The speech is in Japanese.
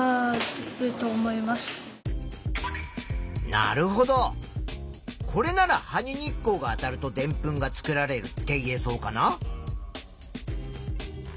なるほどこれなら「葉に日光があたるとでんぷんが作られる」って言えそうかな？